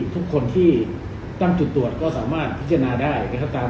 ทุกที่ตั้งจุดตรวจก็สามารถพัจจานะคะตาม